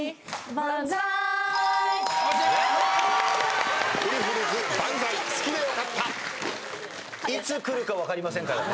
『バンザイ好きでよかった』いつ来るか分かりませんからね。